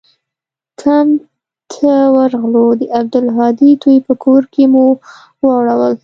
کمپ ته ورغلو د عبدالهادي دوى په کور کښې مو واړول.